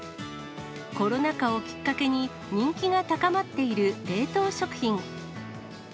コロナ禍をきっかけに、人気が高まっている冷凍食品。